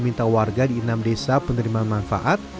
meminta warga di enam desa penerima manfaat